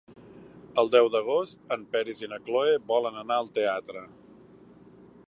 El deu d'agost en Peris i na Cloè volen anar al teatre.